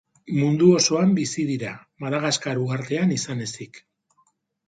Mundu osoan bizi dira, Madagaskar uhartean izan ezik.